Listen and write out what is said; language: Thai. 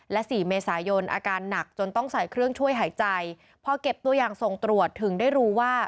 และสี่เมษายนอาการหนักจนต้องใส่เครื่องช่วยหายใจพอเก็บตัวอย่างส่งตรวจถึงได้รู้ว่า